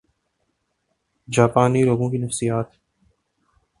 جاپانی لوگوں کی نفسیات